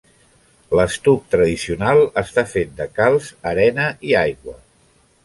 L'estuc tradicional està fet de calç, arena i aigua.